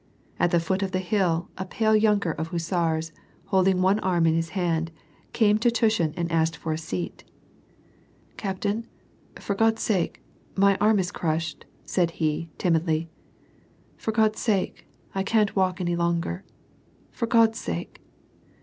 At the foot of the hill, a [)ale yunker of hussars, holding one arm in his hand, came to Tushin and asked for a seat1 "Captain, for God's sake, my arm is crushed," said he, tim idly, " For God's sake, I can't walk any longer. For God's sake